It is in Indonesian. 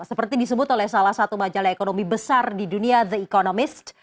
seperti disebut oleh salah satu majalah ekonomi besar di dunia the economist